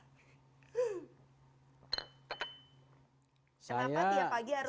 kenapa tiap pagi harus ngeteh dulu